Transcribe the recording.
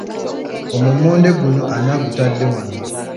Omummonde guno ani agutadde wano?